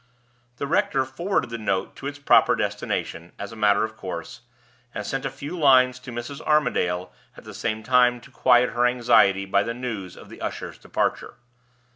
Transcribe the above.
The rector forwarded the note to its proper destination, as a matter of course, and sent a few lines to Mrs. Armadale at the same time to quiet her anxiety by the news of the usher's departure.